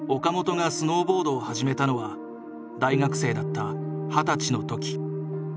岡本がスノーボードを始めたのは大学生だった二十歳の時。